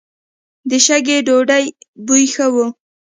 د شګې ډوډۍ بوی ښه و.